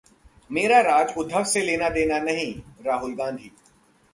मेरा राज-उद्धव से लेना-देना नहीं: राहुल गांधी